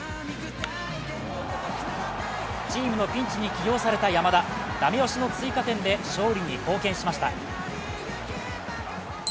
チームのピンチに起用された山田駄目押しの追加点で勝利に貢献しました。